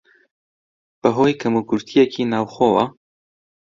بەهۆی کەموکورتییەکی ناوخۆوە